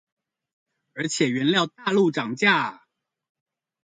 而且原料大陸漲價